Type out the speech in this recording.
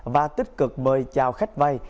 và tích cực mời chào khách vay